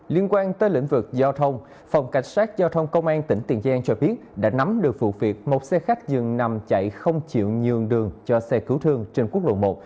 liên quan tới lĩnh vực giao thông phòng cảnh sát giao thông công an tỉnh tiền giang cho biết đã nắm được vụ việc một xe khách dường nằm chạy không chịu nhường đường cho xe cứu thương trên quốc lộ một